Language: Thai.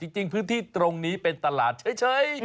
จริงพื้นที่ตรงนี้เป็นตลาดเฉย